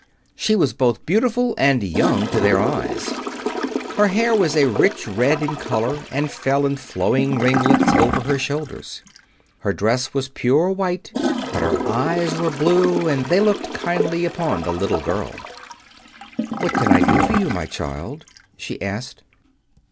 She was both beautiful and young to their eyes. Her hair was a rich red in color and fell in flowing ringlets over her shoulders. Her dress was pure white but her eyes were blue, and they looked kindly upon the little girl. "What can I do for you, my child?" she asked.